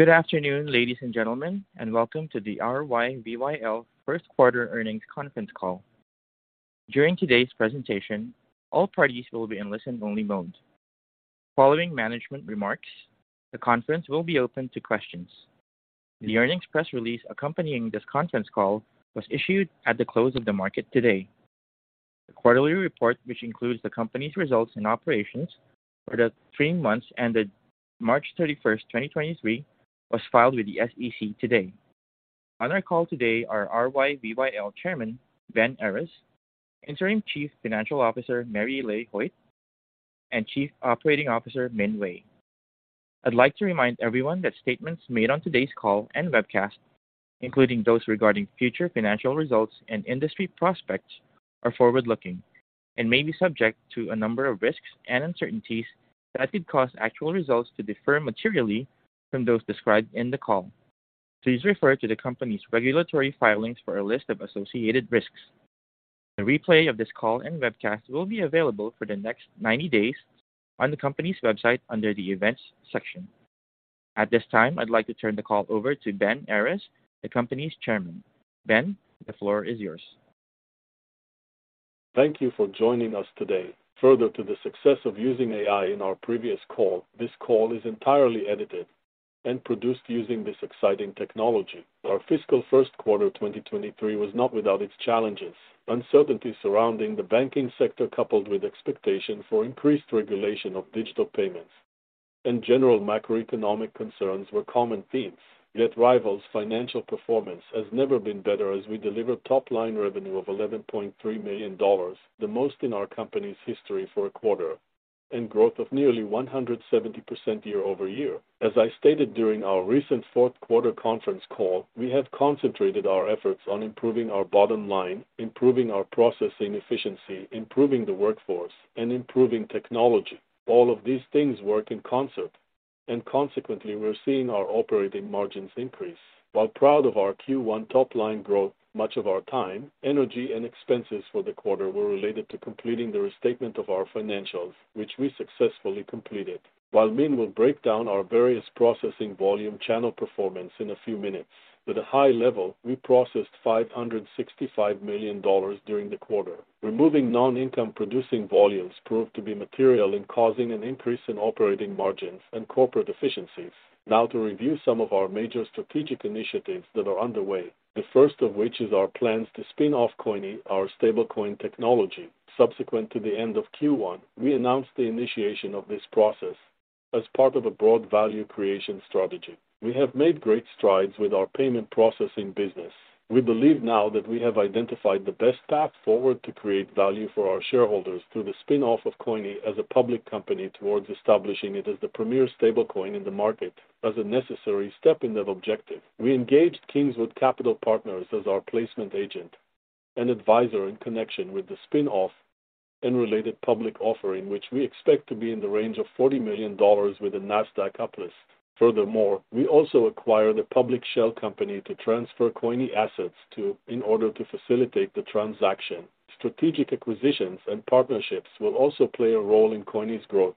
Good afternoon, ladies and gentlemen, and welcome to the RYVYL fist quarter earnings conference call. During today's presentation, all parties will be in listen-only mode. Following management remarks, the conference will be open to questions. The earnings press release accompanying this conference call was issued at the close of the market today. The quarterly report, which includes the company's results and operations for the three months ended March 31st, 2023, was filed with the SEC today. On our call today are RYVYL Chairman, Ben Errez, Interim Chief Financial Officer, Mary Lay Hoitt, and Chief Operating Officer, Min Wei. I'd like to remind everyone that statements made on today's call and webcast, including those regarding future financial results and industry prospects, are forward-looking and may be subject to a number of risks and uncertainties that could cause actual results to differ materially from those described in the call. Please refer to the company's regulatory filings for a list of associated risks. The replay of this call and webcast will be available for the next 90 days on the company's website under the Events section. At this time, I'd like to turn the call over to Ben Errez, the company's Chairman. Ben, the floor is yours. Thank you for joining us today. Further to the success of using AI in our previous call, this call is entirely edited and produced using this exciting technology. Our fiscal first quarter 2023 was not without its challenges. Uncertainty surrounding the banking sector, coupled with expectation for increased regulation of digital payments and general macroeconomic concerns were common themes. RYVYL's financial performance has never been better as we deliver top-line revenue of $11.3 million, the most in our company's history for a quarter, and growth of nearly 170% year-over-year. As I stated during our recent fourth quarter conference call, we have concentrated our efforts on improving our bottom line, improving our processing efficiency, improving the workforce, and improving technology. All of these things work in concert, consequently, we're seeing our operating margins increase. While proud of our Q1 top-line growth, much of our time, energy, and expenses for the quarter were related to completing the restatement of our financials, which we successfully completed. While Min will break down our various processing volume channel performance in a few minutes, with a high level, we processed $565 million during the quarter. Removing non-income producing volumes proved to be material in causing an increase in operating margins and corporate efficiencies. Now to review some of our major strategic initiatives that are underway, the first of which is our plans to spin off Coinme, our stablecoin technology. Subsequent to the end of Q1, we announced the initiation of this process as part of a broad value creation strategy. We have made great strides with our payment processing business. We believe now that we have identified the best path forward to create value for our shareholders through the spin-off of Coinme as a public company towards establishing it as the premier stablecoin in the market as a necessary step in that objective. We engaged Kingswood Capital Partners as our placement agent and advisor in connection with the spin-off and related public offering, which we expect to be in the range of $40 million with a Nasdaq uplist. Furthermore, we also acquired a public shell company to transfer Coinme assets to in order to facilitate the transaction. Strategic acquisitions and partnerships will also play a role in Coinme's growth.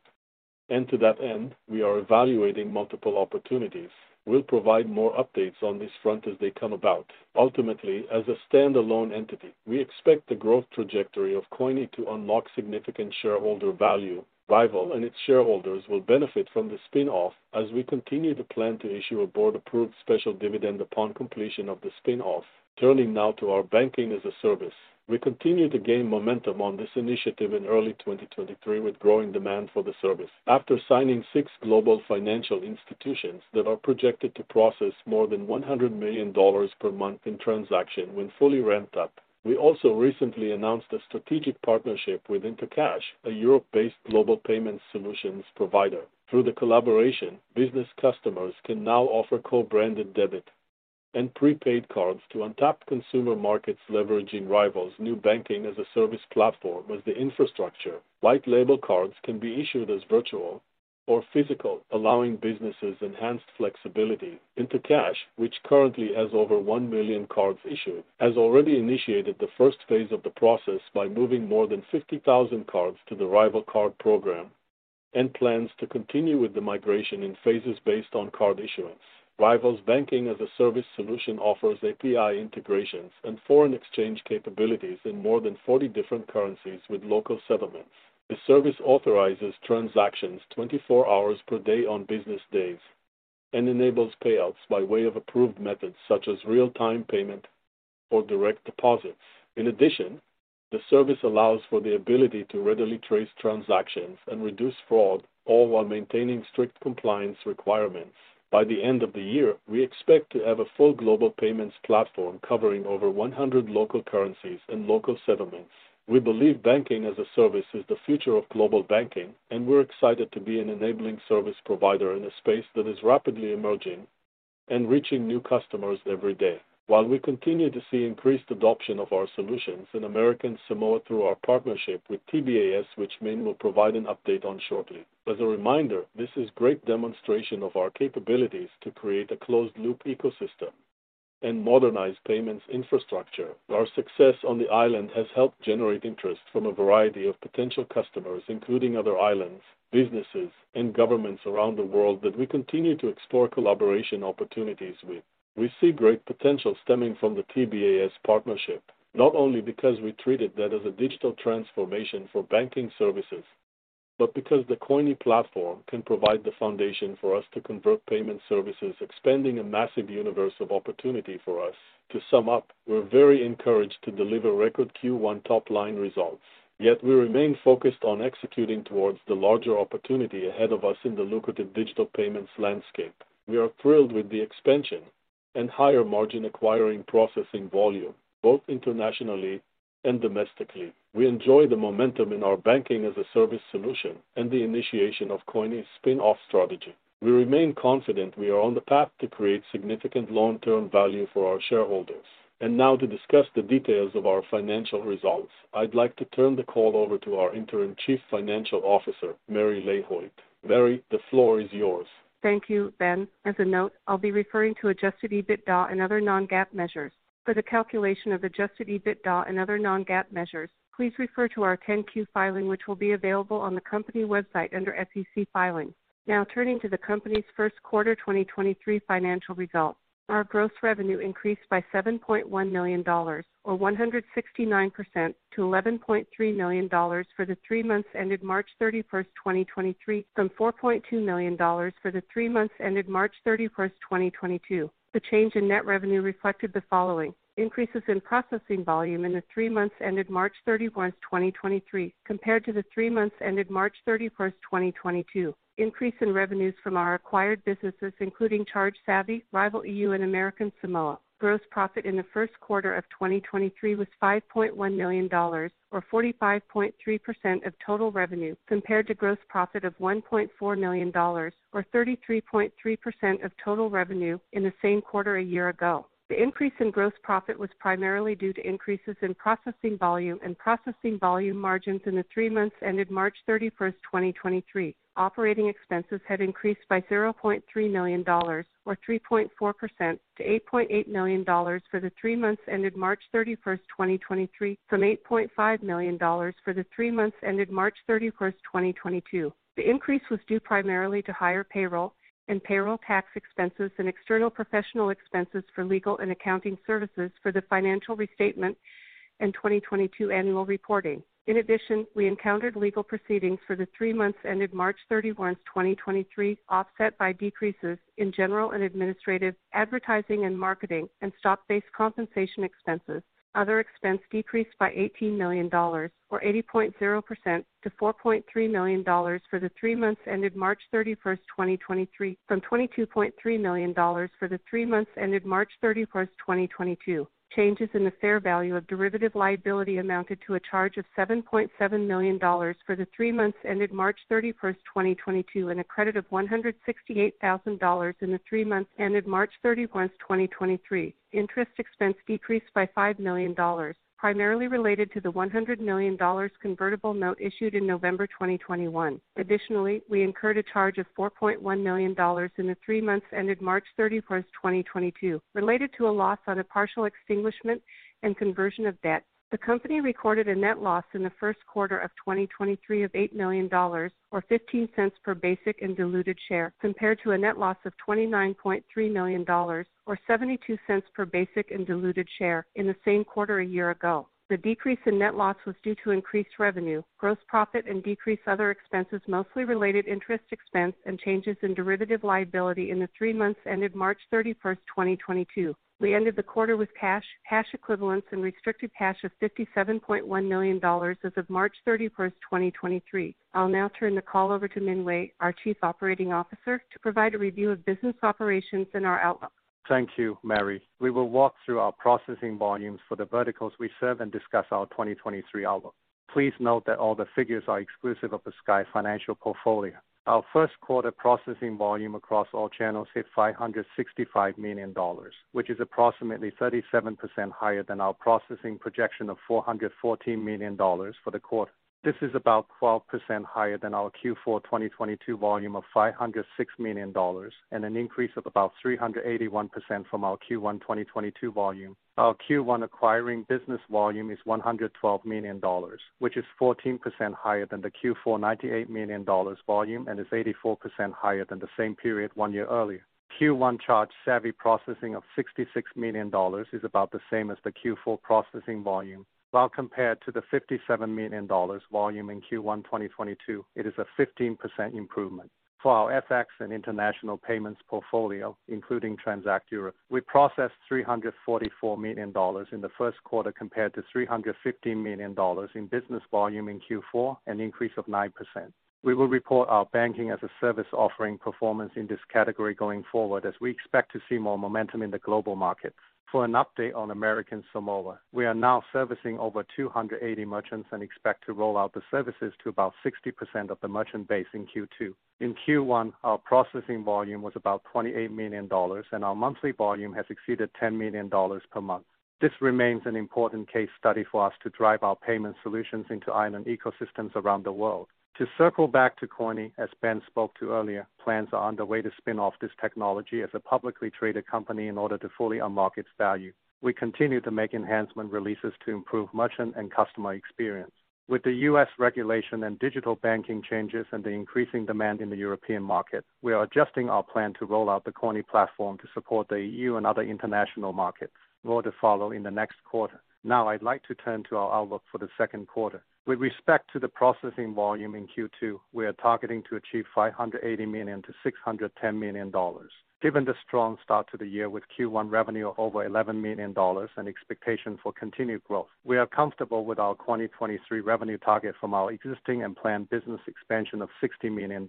To that end, we are evaluating multiple opportunities. We'll provide more updates on this front as they come about. Ultimately, as a standalone entity, we expect the growth trajectory of Coinme to unlock significant shareholder value. RYVYL and its shareholders will benefit from the spin-off as we continue to plan to issue a board-approved special dividend upon completion of the spin-off. Turning now to our Banking-as-a-Service. We continue to gain momentum on this initiative in early 2023 with growing demand for the service. After signing six global financial institutions that are projected to process more than $100 million per month in transaction when fully ramped up, we also recently announced a strategic partnership with Intercash, a Europe-based global payment solutions provider. Through the collaboration, business customers can now offer co-branded debit and prepaid cards to untapped consumer markets, leveraging RYVYL's new Banking-as-a-Service platform as the infrastructure. White label cards can be issued as virtual or physical, allowing businesses enhanced flexibility. Intercash, which currently has over 1 million cards issued, has already initiated the first phase of the process by moving more than 50,000 cards to the RYVYL card program and plans to continue with the migration in phases based on card issuance. RYVYL's Banking-as-a-Service solution offers API integrations and foreign exchange capabilities in more than 40 different currencies with local settlements. The service authorizes transactions 24 hours per day on business days and enables payouts by way of approved methods such as real-time payment or direct deposits. In addition, the service allows for the ability to readily trace transactions and reduce fraud, all while maintaining strict compliance requirements. By the end of the year, we expect to have a full global payments platform covering over 100 local currencies and local settlements. We believe Banking-as-a-Service is the future of global banking, and we're excited to be an enabling service provider in a space that is rapidly emerging and reaching new customers every day. While we continue to see increased adoption of our solutions in American Samoa through our partnership with TBAS, which Min will provide an update on shortly. As a reminder, this is great demonstration of our capabilities to create a closed loop ecosystem. Modernized payments infrastructure. Our success on the island has helped generate interest from a variety of potential customers, including other islands, businesses, and governments around the world that we continue to explore collaboration opportunities with. We see great potential stemming from the TBAS partnership, not only because we treated that as a digital transformation for Banking-as-a-Service, but because the Coinme platform can provide the foundation for us to convert payment services, expanding a massive universe of opportunity for us. To sum up, we're very encouraged to deliver record Q1 top-line results, yet we remain focused on executing towards the larger opportunity ahead of us in the lucrative digital payments landscape. We are thrilled with the expansion and higher margin acquiring processing volume, both internationally and domestically. We enjoy the momentum in our Banking-as-a-Service solution and the initiation of Coinme spin-off strategy. We remain confident we are on the path to create significant long-term value for our shareholders. Now to discuss the details of our financial results, I'd like to turn the call over to our Interim Chief Financial Officer, Mary Lay Hoitt. Mary, the floor is yours. Thank you, Ben. As a note, I'll be referring to adjusted EBITDA and other non-GAAP measures. For the calculation of adjusted EBITDA and other non-GAAP measures, please refer to our 10-Q filing, which will be available on the company website under SEC Filings. Turning to the company's first quarter 2023 financial results. Our gross revenue increased by $7.1 million, or 169% to $11.3 million for the three months ended March 31, 2023 from $4.2 million for the three months ended March 31, 2022. The change in net revenue reflected the following. Increases in processing volume in the three months ended March 31, 2023 compared to the three months ended March 31, 2022. Increase in revenues from our acquired businesses, including ChargeSavvy, RYVYL EU, and American Samoa. Gross profit in the first quarter of 2023 was $5.1 million or 45.3% of total revenue, compared to gross profit of $1.4 million or 33.3% of total revenue in the same quarter a year ago. The increase in gross profit was primarily due to increases in processing volume and processing volume margins in the three months ended March 31, 2023. Operating expenses had increased by $0.3 million, or 3.4% to $8.8 million for the three months ended March 31, 2023 from $8.5 million for the three months ended March 31, 2022. The increase was due primarily to higher payroll and payroll tax expenses and external professional expenses for legal and accounting services for the financial restatement and 2022 annual reporting. In addition, we encountered legal proceedings for the three months ended March 31st, 2023, offset by decreases in general and administrative, advertising and marketing, and stock-based compensation expenses. Other expense decreased by $18 million or 80.0% to $4.3 million for the three months ended March 31st, 2023, from $22.3 million for the three months ended March 31st, 2022. Changes in the fair value of derivative liability amounted to a charge of $7.7 million for the three months ended March 31st, 2022, and a credit of $168,000 in the three months ended March 31st, 2023. Interest expense decreased by $5 million, primarily related to the $100 million convertible note issued in November 2021. Additionally, we incurred a charge of $4.1 million in the three months ended March 31, 2022, related to a loss on a partial extinguishment and conversion of debt. The company recorded a net loss in the first quarter of 2023 of $8 million, or $0.15 per basic and diluted share, compared to a net loss of $29.3 million or $0.72 per basic and diluted share in the same quarter a year ago. The decrease in net loss was due to increased revenue, gross profit and decreased other expenses, mostly related interest expense and changes in derivative liability in the three months ended March 31, 2022. We ended the quarter with cash equivalents and restricted cash of $57.1 million as of March 31, 2023. I'll now turn the call over to Min Wei, our Chief Operating Officer, to provide a review of business operations and our outlook. Thank you, Mary. We will walk through our processing volumes for the verticals we serve and discuss our 2023 outlook. Please note that all the figures are exclusive of the Sky Financial portfolio. Our first quarter processing volume across all channels hit $565 million, which is approximately 37% higher than our processing projection of $414 million for the quarter. This is about 12% higher than our Q4 2022 volume of $506 million and an increase of about 381% from our Q1 2022 volume. Our Q1 acquiring business volume is $112 million, which is 14% higher than the Q4 $98 million volume and is 84% higher than the same period 1 year earlier. Q1 ChargeSavvy processing of $66 million is about the same as the Q4 processing volume. While compared to the $57 million volume in Q1 2022, it is a 15% improvement. For our FX and international payments portfolio, including Transact Europe, we processed $344 million in the first quarter compared to $350 million in business volume in Q4, an increase of 9%. We will report our Banking-as-a-Service offering performance in this category going forward as we expect to see more momentum in the global markets. For an update on American Samoa, we are now servicing over 280 merchants and expect to roll out the services to about 60% of the merchant base in Q2. In Q1, our processing volume was about $28 million and our monthly volume has exceeded $10 million per month. This remains an important case study for us to drive our payment solutions into island ecosystems around the world. To circle back to Coinme, as Ben spoke to earlier, plans are underway to spin off this technology as a publicly traded company in order to fully unlock its value. We continue to make enhancement releases to improve merchant and customer experience. With the U.S. regulation and digital banking changes and the increasing demand in the European market, we are adjusting our plan to roll out the Coinme platform to support the EU and other international markets. More to follow in the next quarter. Now I'd like to turn to our outlook for the second quarter. With respect to the processing volume in Q2, we are targeting to achieve $580 million-$610 million. Given the strong start to the year with Q1 revenue of over $11 million and expectation for continued growth, we are comfortable with our 2023 revenue target from our existing and planned business expansion of $60 million.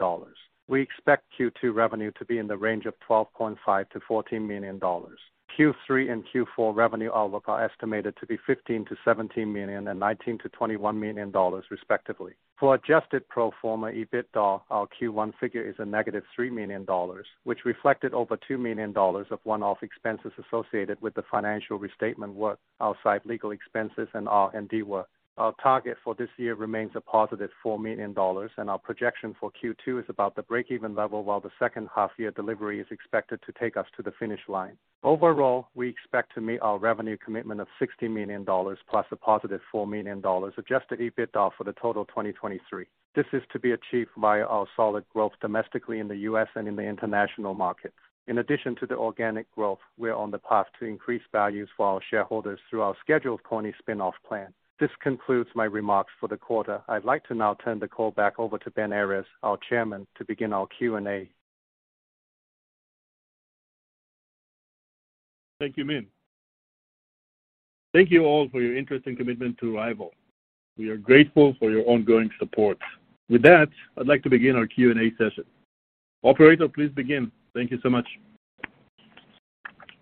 We expect Q2 revenue to be in the range of $12.5 million-$14 million. Q3 and Q4 revenue outlook are estimated to be $15 million-$17 million and $19 million-$21 million respectively. For adjusted pro forma EBITDA, our Q1 figure is a negative $3 million, which reflected over $2 million of one-off expenses associated with the financial restatement work outside legal expenses and our R&D work. Our target for this year remains a positive $4 million, and our projection for Q2 is about the break-even level while the second half year delivery is expected to take us to the finish line. Overall, we expect to meet our revenue commitment of $60 million plus a positive $4 million adjusted EBITDA for the total 2023. This is to be achieved via our solid growth domestically in the US and in the international markets. In addition to the organic growth, we are on the path to increase values for our shareholders through our scheduled Coinme spin-off plan. This concludes my remarks for the quarter. I'd like to now turn the call back over to Ben Errez, our Chairman, to begin our Q&A. Thank you, Min. Thank you all for your interest and commitment to RYVYL. We are grateful for your ongoing support. With that, I'd like to begin our Q&A session. Operator, please begin. Thank you so much.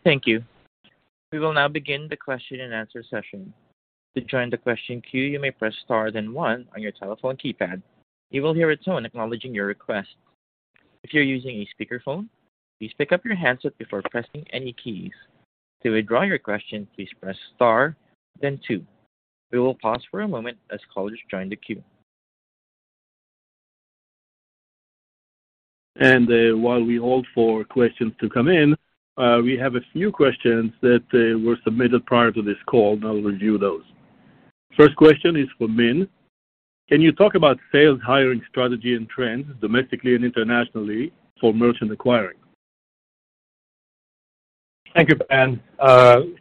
Thank you. We will now begin the question and answer session. To join the question queue, you may press star then one on your telephone keypad. You will hear a tone acknowledging your request. If you're using a speakerphone, please pick up your handset before pressing any keys. To withdraw your question, please press star then two. We will pause for a moment as callers join the queue. While we hold for questions to come in, we have a few questions that were submitted prior to this call, and I'll review those. First question is for Min. Can you talk about sales, hiring, strategy, and trends domestically and internationally for merchant acquiring? Thank you, Ben.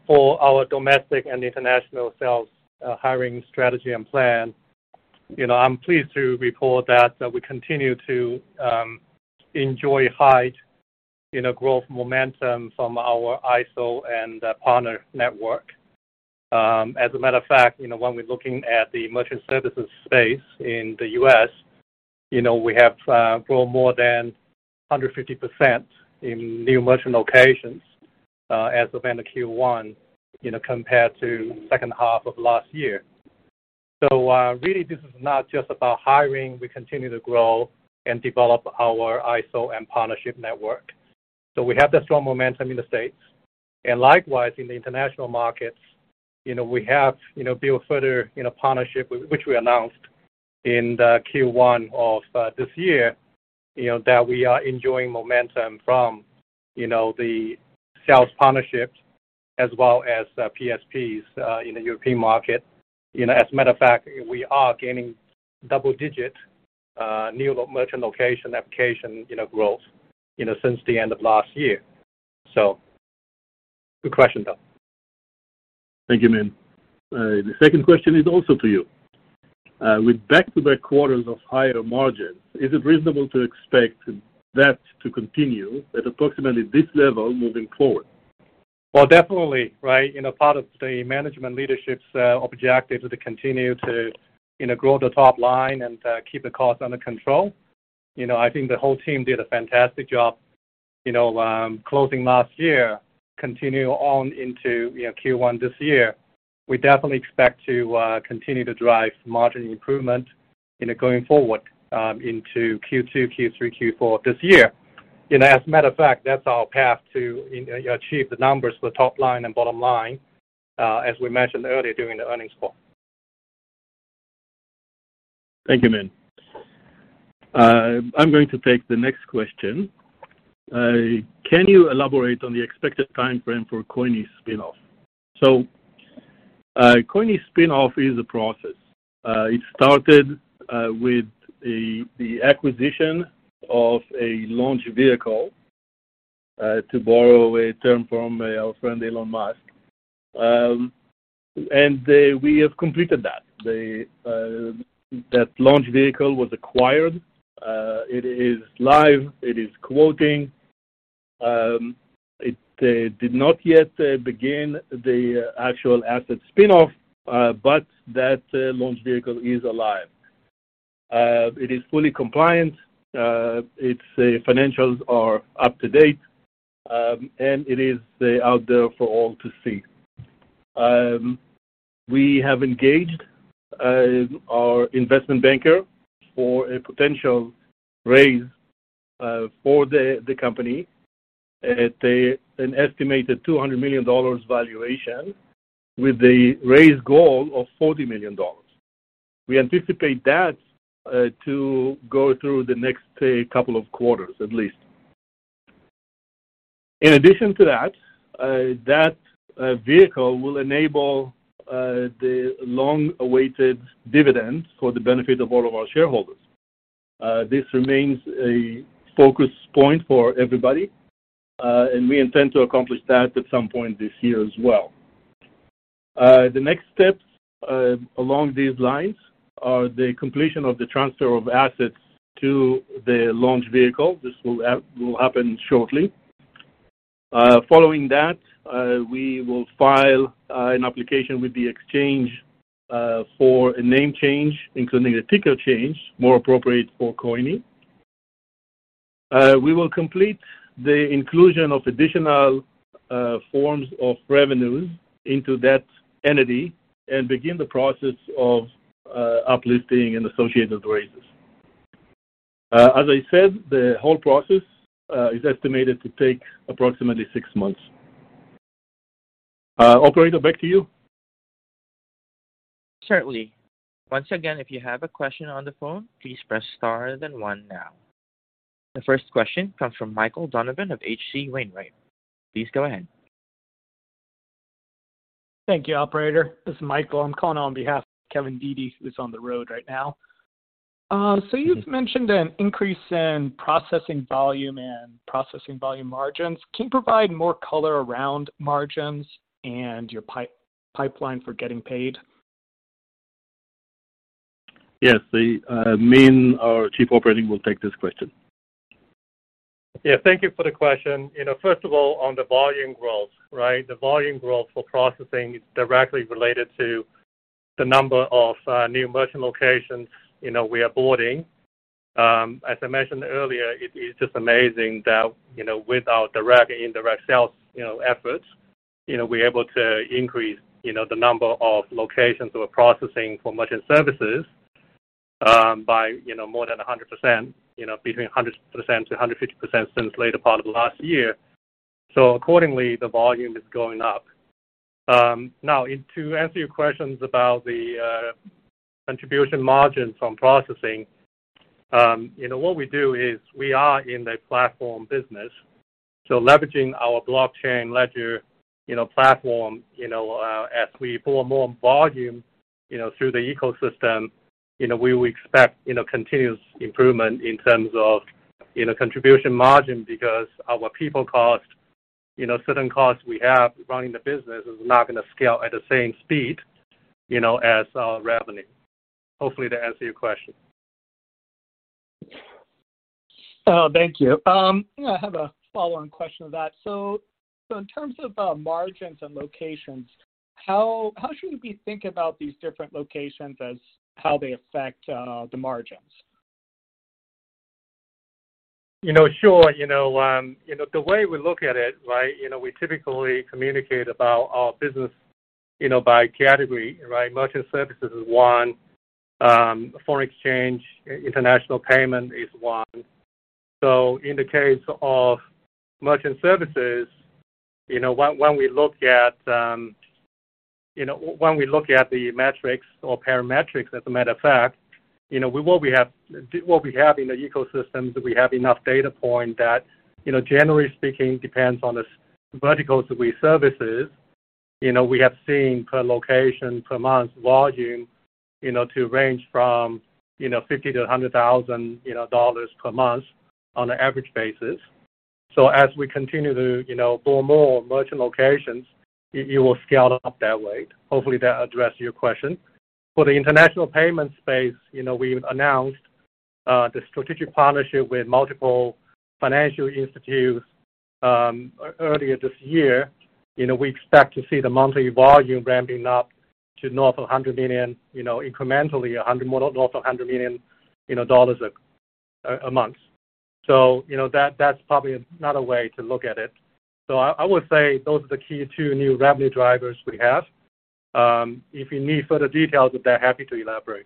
For our domestic and international sales, hiring strategy and plan, you know, I'm pleased to report that we continue to enjoy high, you know, growth momentum from our ISO and partner network. As a matter of fact, you know, when we're looking at the merchant services space in the U.S., you know, we have grown more than 150% in new merchant locations, as of end of Q1, you know, compared to second half of last year. Really, this is not just about hiring. We continue to grow and develop our ISO and partnership network. We have the strong momentum in the States. Likewise, in the international markets, you know, we have, you know, built further, you know, partnership, which we announced in the Q1 of this year, you know, that we are enjoying momentum from, you know, the sales partnerships as well as PSPs in the European market. You know, as a matter of fact, we are gaining double-digit new merchant location application, you know, growth, you know, since the end of last year. Good question, though. Thank you, Min. The second question is also to you. With back-to-back quarters of higher margins, is it reasonable to expect that to continue at approximately this level moving forward? Well, definitely, right? You know, part of the management leadership's objective to continue to, you know, grow the top line and keep the cost under control. You know, I think the whole team did a fantastic job, you know, closing last year, continue on into, you know, Q1 this year. We definitely expect to continue to drive margin improvement, you know, going forward, into Q2, Q3, Q4 this year. You know, as a matter of fact, that's our path to, you know, achieve the numbers for top line and bottom line, as we mentioned earlier during the earnings call. Thank you, Min. I'm going to take the next question. Can you elaborate on the expected timeframe for Coinme spin-off? Coinme spin-off is a process. It started with the acquisition of a launch vehicle, to borrow a term from our friend Elon Musk. We have completed that. The that launch vehicle was acquired. It is live. It is quoting. It did not yet begin the actual asset spin-off, but that launch vehicle is alive. It is fully compliant. Its financials are up to date, and it is out there for all to see. We have engaged our investment banker for a potential raise for the company at an estimated $200 million valuation with the raise goal of $40 million. We anticipate that to go through the next couple of quarters at least. In addition to that vehicle will enable the long-awaited dividends for the benefit of all of our shareholders. This remains a focus point for everybody, and we intend to accomplish that at some point this year as well. The next steps along these lines are the completion of the transfer of assets to the launch vehicle. This will happen shortly. Following that, we will file an application with the exchange for a name change, including a ticker change more appropriate for Coinme. We will complete the inclusion of additional forms of revenues into that entity and begin the process of uplisting and associated raises. As I said, the whole process is estimated to take approximately six months. Operator, back to you. Certainly. Once again, if you have a question on the phone, please press star then one now. The first question comes from Michael Donovan of H.C. Wainwright & Co. Please go ahead. Thank you, operator. This is Michael. I'm calling on behalf of Kevin Dede, who's on the road right now. You've mentioned an increase in processing volume and processing volume margins. Can you provide more color around margins and your pipeline for getting paid? Yes. The, Min, our Chief Operating, will take this question. Yeah, thank you for the question. You know, first of all, on the volume growth, right? The volume growth for processing is directly related to the number of new merchant locations, you know, we are boarding. As I mentioned earlier, it is just amazing that, you know, with our direct and indirect sales, you know, efforts, you know, we're able to increase, you know, the number of locations we're processing for merchant services, by, you know, more than 100%, you know, between 100%-150% since later part of last year. Accordingly, the volume is going up. Now to answer your questions about the contribution margins on processing, you know, what we do is we are in the platform business, so leveraging our blockchain ledger, you know, platform, you know, as we pull more volume, you know, through the ecosystem, you know, we will expect, you know, continuous improvement in terms of, you know, contribution margin because our people cost, you know, certain costs we have running the business is not gonna scale at the same speed, you know, as our revenue. Hopefully that answers your question. Thank you. Yeah, I have a follow-on question to that. In terms of margins and locations, how should we be thinking about these different locations as how they affect the margins? You know, sure. You know, you know, the way we look at it, right, you know, we typically communicate about our business, you know, by category, right? Merchant services is one. Foreign exchange, international payment is one. In the case of merchant services, you know, when we look at, you know, when we look at the metrics or parametrics as a matter of fact, you know, what we have in the ecosystems, we have enough data point that, you know, generally speaking, depends on the verticals that we services. You know, we have seen per location, per month volume, you know, to range from, you know, $50,000-$100,000 per month on an average basis. As we continue to, you know, pull more merchant locations, it will scale up that way. Hopefully that addressed your question. For the international payment space, you know, we announced the strategic partnership with multiple financial institutes earlier this year. You know, we expect to see the monthly volume ramping up to north of $100 million, you know, incrementally north of $100 million, you know, dollars a month. You know, that's probably another way to look at it. I would say those are the key two new revenue drivers we have. If you need further details with that, happy to elaborate.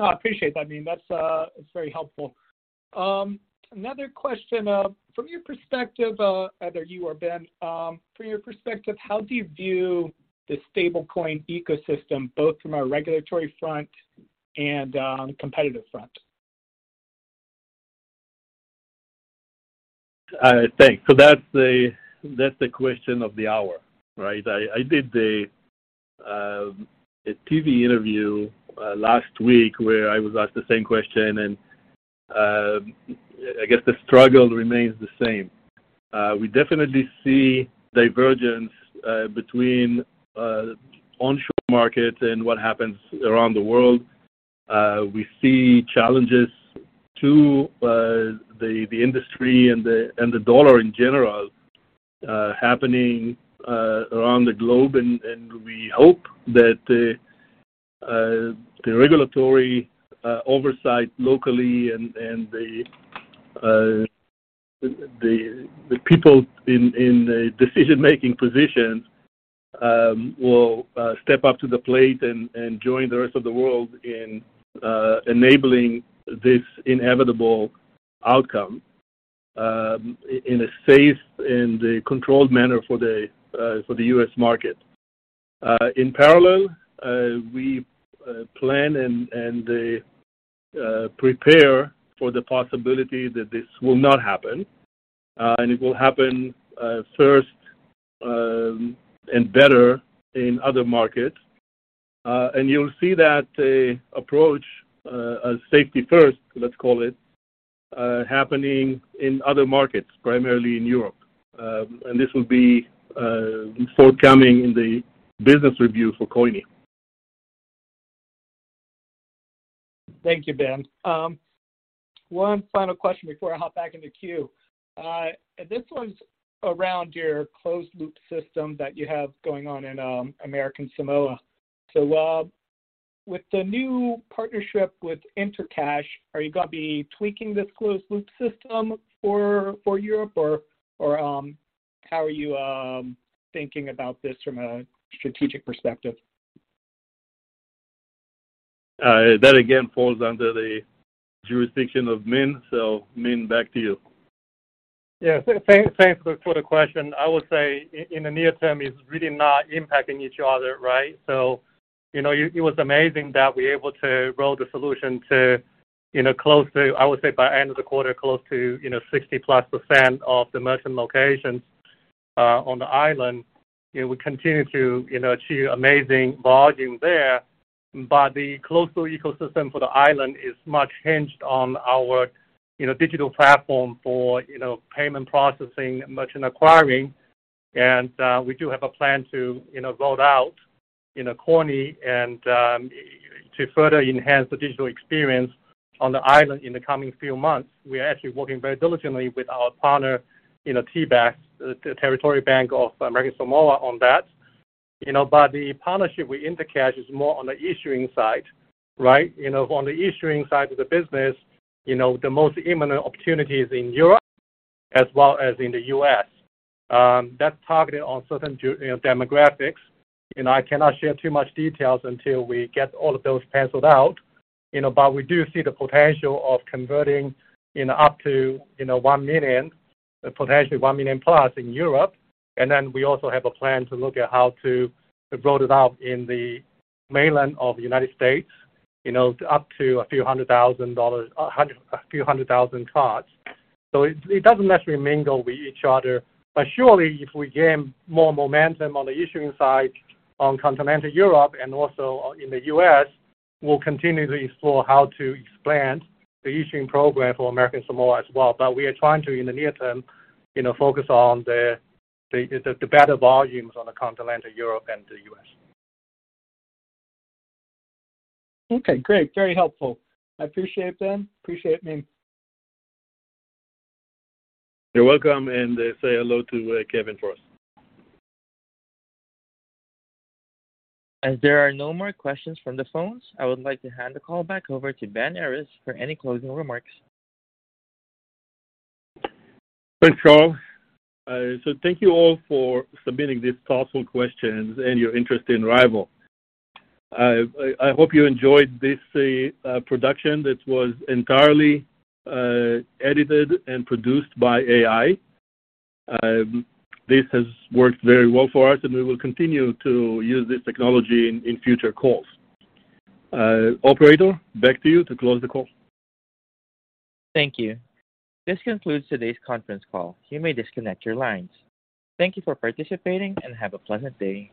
No, I appreciate that, Min. That's, it's very helpful. Another question, from your perspective, either you or Ben, from your perspective, how do you view the stablecoin ecosystem, both from a regulatory front and, competitive front? Thanks. That's the, that's the question of the hour, right? I did a TV interview last week where I was asked the same question. I guess the struggle remains the same. We definitely see divergence between onshore markets and what happens around the world. We see challenges to the industry and the dollar in general happening around the globe. We hope that the regulatory oversight locally and the people in the decision-making positions will step up to the plate and join the rest of the world in enabling this inevitable outcome in a safe and a controlled manner for the U.S. market. In parallel, we plan and prepare for the possibility that this will not happen and it will happen first and better in other markets. You'll see that approach as safety first, let's call it, happening in other markets, primarily in Europe. This will be forthcoming in the business review for Coinme. Thank you, Ben. One final question before I hop back in the queue. This one's around your closed loop system that you have going on in American Samoa. With the new partnership with Intercash, are you gonna be tweaking this closed loop system for Europe, or how are you thinking about this from a strategic perspective? That again falls under the jurisdiction of Min. Min, back to you. Yeah. Thanks for the question. I would say in the near term, it's really not impacting each other, right? You know, it was amazing that we're able to roll the solution to, you know, close to, I would say by end of the quarter, close to, you know, 60%+ of the merchant locations on the island. You know, we continue to, you know, achieve amazing volume there. The closed loop ecosystem for the island is much hinged on our, you know, digital platform for, you know, payment processing, merchant acquiring. We do have a plan to, you know, roll out in a Coinme and to further enhance the digital experience on the island in the coming few months. We are actually working very diligently with our partner in a TBAS, the Territorial Bank of American Samoa, on that. You know, the partnership with Intercash is more on the issuing side, right? You know, on the issuing side of the business, you know, the most imminent opportunity is in Europe as well as in the US. That's targeted on certain, you know, demographics. You know, I cannot share too much details until we get all of those penciled out, you know. We do see the potential of converting in up to, you know, $1 million, potentially $1 million+ in Europe. We also have a plan to look at how to roll it out in the mainland of the United States, you know, up to a few hundred thousand cards. It, it doesn't necessarily mingle with each other. Surely, if we gain more momentum on the issuing side on continental Europe and also in the US, we'll continue to explore how to expand the issuing program for American Samoa as well. We are trying to, in the near term, you know, focus on the better volumes on the continental Europe and the US. Okay, great. Very helpful. I appreciate, Ben. Appreciate, Min. You're welcome, and say hello to Kevin for us. As there are no more questions from the phones, I would like to hand the call back over to Ben Errez for any closing remarks. Thanks, Charles. Thank you all for submitting these thoughtful questions and your interest in RYVYL. I hope you enjoyed this production that was entirely edited and produced by AI. This has worked very well for us, and we will continue to use this technology in future calls. Operator, back to you to close the call. Thank you. This concludes today's conference call. You may disconnect your lines. Thank you for participating, and have a pleasant day.